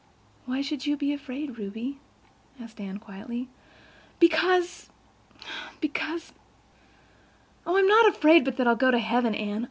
"Why should you be afraid, Ruby?" asked Anne quietly. "Because—because—oh, I'm not afraid but that I'll go to heaven, Anne.